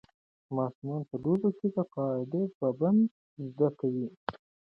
ماشومان په لوبو کې د قواعدو پابندۍ زده کوي.